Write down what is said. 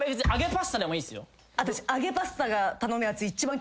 私。